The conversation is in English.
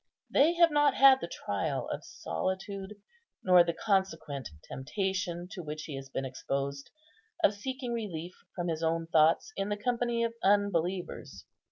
They have not had the trial of solitude, nor the consequent temptation to which he has been exposed, of seeking relief from his own thoughts in the company of unbelievers.